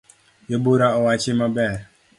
Jobura owachi maber